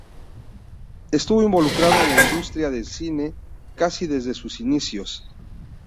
Estuvo involucrado en la industria del cine casi desde sus inicios.